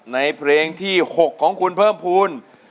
ในเพลงที่๖ของคุณเพิ่มภูมิ